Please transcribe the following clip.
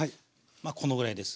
このぐらいです。